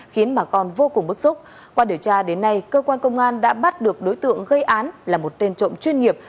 khiến bà con vô cùng bức xúc qua điều tra đến nay cơ quan công an đã bắt được đối tượng gây án là một tên trộm chuyên nghiệp